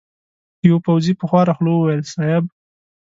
يوه پوځي په خواره خوله وويل: صېب!